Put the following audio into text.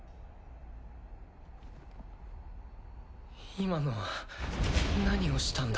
今のは何をしたんだ？